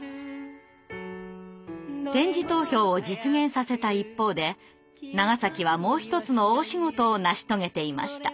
点字投票を実現させた一方で長はもう一つの大仕事を成し遂げていました。